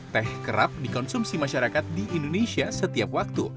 teh kerap dikonsumsi masyarakat di indonesia setiap waktu